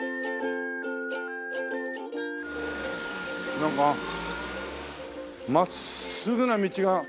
なんか真っすぐな道が。